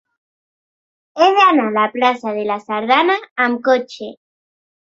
He d'anar a la plaça de la Sardana amb cotxe.